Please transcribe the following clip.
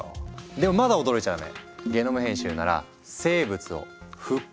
でもまだ驚いちゃダメ。